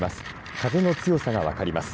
風の強さが分かります。